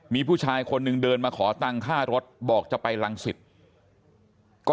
มีผู้ชายคนหนึ่งเดินมาขอตังค่ารถบอกจะไปรังสิตก็